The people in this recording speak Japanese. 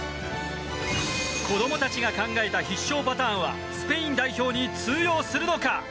子どもたちが考えた必勝パターンはスペイン代表に通用するのか？